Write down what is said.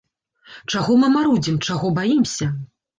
Чаго мы марудзім, чаго баімся?